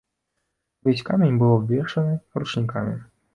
Увесь камень быў абвешаны ручнікамі.